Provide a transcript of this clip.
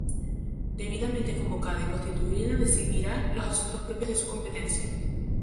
Debidamente convocada y constituida decidirá los asuntos propios de su competencia.